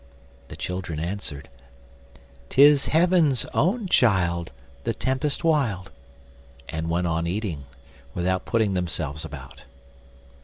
The children answered: "Tis Heaven's own child, The tempest wild," and went on eating, without putting themselves about.